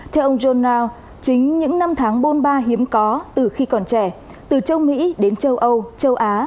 theo ông johnow chính những năm tháng bôn ba hiếm có từ khi còn trẻ từ châu mỹ đến châu âu châu á